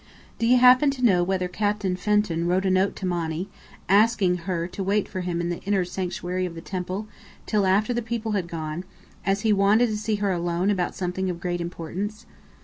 Do you happen to know whether Captain Fenton wrote a note to Monny, asking her to wait for him in the inner sanctuary of the temple till after the people had gone, as he wanted to see her alone about something of great importance?"